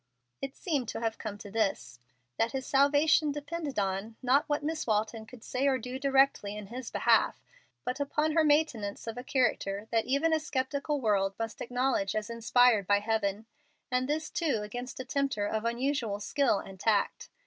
It seemed to have come to this, that his salvation depended on, not what Miss Walton could say or do directly in his behalf, but upon her maintenance of a character that even a sceptical world must acknowledge as inspired by heaven, and this, too, against a tempter of unusual skill and tact.